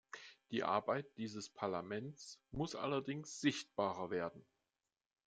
Die Arbeit dieses Parlaments muss allerdings sichtbarer werden.